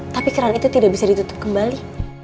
tapi keran itu tidak bisa ditutup kembali